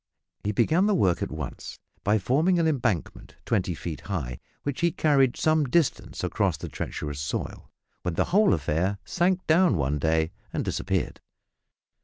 He began the work at once by forming an embankment twenty feet high, which he carried some distance across the treacherous soil, when the whole affair sank down one day and disappeared!